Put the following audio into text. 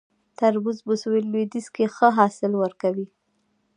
تربوز په سویل لویدیځ کې ښه حاصل ورکوي